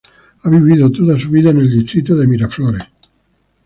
Ha vivido toda su vida en el distrito de Miraflores.